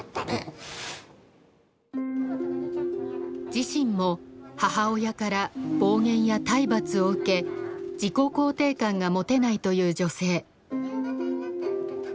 自身も母親から暴言や体罰を受け自己肯定感が持てないという女性。